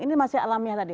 ini masih alamiah tadi